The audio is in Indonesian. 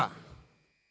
bergantung kepada kita